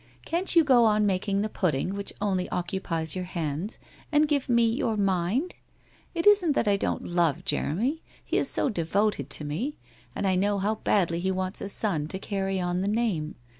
Can't you go on making the pudding, which only occupies your hands, and give me your mind? It isn't that I don't love Jeremy, he is so devoted to me, and I know how badly he wants a son to carry on the name.